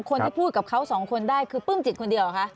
คนที่พูดกับเขาสองคนได้คือปลื้มจิตคนเดียวเหรอคะ